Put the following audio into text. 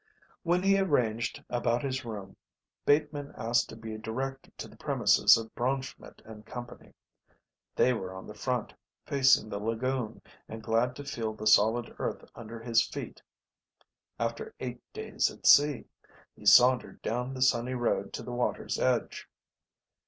When he had arranged about his room Bateman asked to be directed to the premises of Braunschmidt & Co. They were on the front, facing the lagoon, and, glad to feel the solid earth under his feet after eight days at sea, he sauntered down the sunny road to the water's edge.